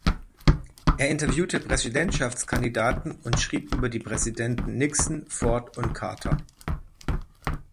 Er interviewte Präsidentschaftskandidaten und schrieb über die Präsidenten Nixon, Ford und Carter.